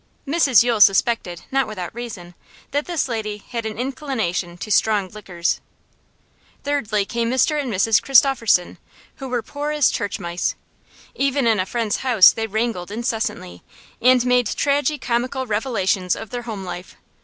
Mrs Yule suspected, not without reason, that this lady had an inclination to strong liquors. Thirdly came Mr and Mrs Christopherson, who were poor as church mice. Even in a friend's house they wrangled incessantly, and made tragi comical revelations of their home life.